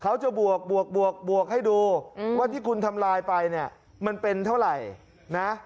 เขาจะบวกให้ดูว่าที่คุณทำลายไปเนี่ยมันเป็นเท่าไหร่นะ